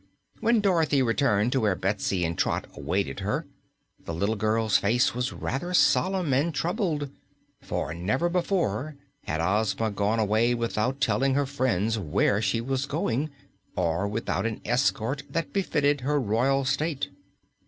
When Dorothy returned to where Betsy and Trot awaited her, the little girl's face was rather solemn and troubled, for never before had Ozma gone away without telling her friends where she was going, or without an escort that befitted her royal state.